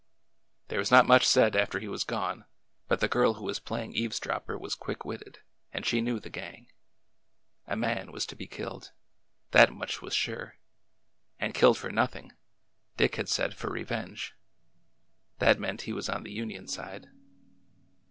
There was not much said after he was gone, but the girl who was playing eavesdropper was quick witted, and she knew the gang. A man was to be killed. That much was sure. And killed for nothing,— Dick had said for revenge. That meant he was on the Union side.